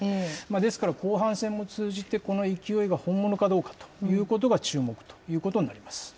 ですから、後半戦も通じて、この勢いが本物かどうかということが注目ということになります。